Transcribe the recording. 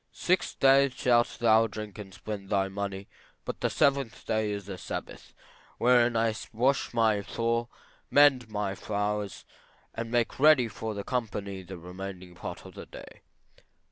Six days shalt thou drink and spend all thy money, but the seventh day is the Sabbath, wherein I wash my floor, mend my fires and make ready for the company the remaining part of the day.